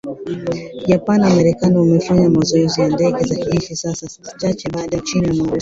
Japan na Marekani wamefanya mazoezi ya ndege za kijeshi saa chache baada ya Uchina na Urusi.